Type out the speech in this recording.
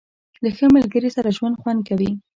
• له ښه ملګري سره ژوند خوند کوي.